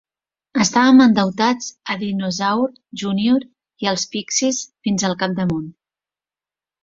Estàvem endeutats a Dinosaur Junior i els Pixies fins al capdamunt.